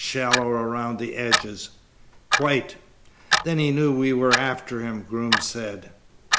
"Shallow around the edges?" "Quite." "Then he knew we were after him," Groom said.